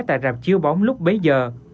tại rạp chiêu bóng lúc bấy giờ